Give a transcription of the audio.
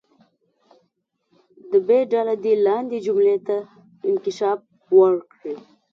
د ب ډله دې لاندې جملې ته انکشاف ورکړي.